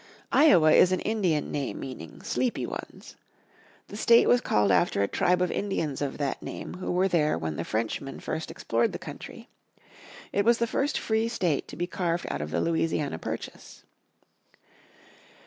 Iowa is an Indian name meaning "Sleepy Ones." The state was called after a tribe of Indians of that name who were there when the Frenchmen first explored the country. It was the first free state to be carved out of the Louisiana Purchase.